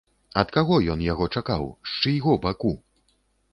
Ад каго ён яго чакаў, з чыйго баку?